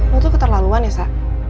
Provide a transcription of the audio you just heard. lo tuh keterlaluan ya sa